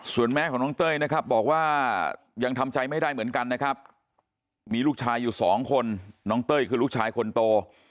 ส่วนแม่ของน้องเต้ยนะครับบอกว่ายังทำใจไม่ได้เหมือนกันนะครับมีลูกชายอยู่สองคนน้องเต้ยคือลูกชายคนโต